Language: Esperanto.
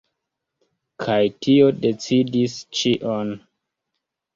Kaj tio decidis ĉion.